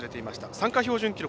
参加標準記録